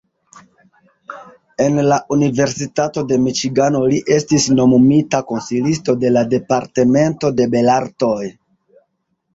En la Universitato de Miĉigano li estis nomumita konsilisto de la departamento de belartoj.